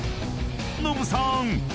［ノブさーん！